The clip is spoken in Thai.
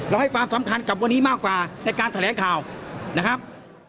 ให้ความสำคัญกับวันนี้มากกว่าในการแถลงข่าวนะครับ